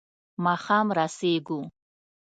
ماښام رسېږو.